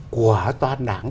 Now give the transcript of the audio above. của toàn đảng